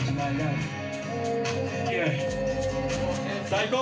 最高！